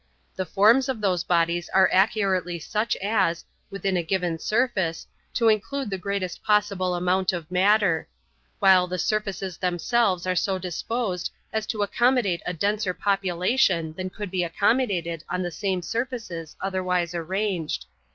The forms of those bodies are accurately such as, within a given surface, to include the greatest possible amount of matter;—while the surfaces themselves are so disposed as to accommodate a denser population than could be accommodated on the same surfaces otherwise arranged.